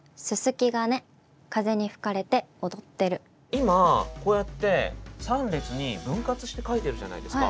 今こうやって３列に分割して書いてるじゃないですか。